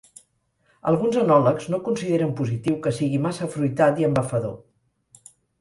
Alguns enòlegs no consideren positiu que sigui massa afruitat i embafador.